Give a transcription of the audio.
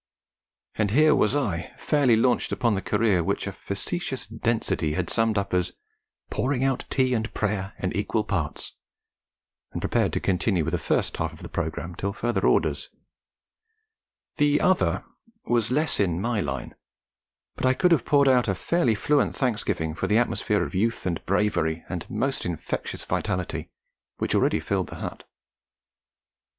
And here was I, fairly launched upon the career which a facetious density has summed up as 'pouring out tea and prayer in equal parts,' and prepared to continue with the first half of the programme till further orders: the other was less in my line but I could have poured out a fairly fluent thanksgiving for the atmosphere of youth and bravery, and most infectious vitality, which already filled the hut.